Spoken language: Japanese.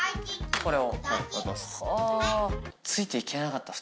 これを。